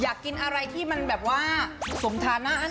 อยากกินอะไรที่มันแบบว่าสมทาน่าน